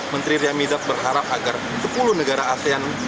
menteri ria midat berharap agar sepuluh negara asean